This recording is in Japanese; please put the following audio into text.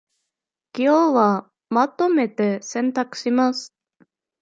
今日はまとめて洗濯します